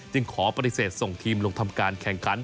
ขอปฏิเสธส่งทีมลงทำการแข่งขัน